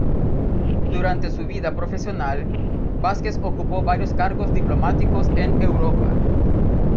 Durante su vida profesional, Vásquez ocupó varios cargos diplomáticos en Europa.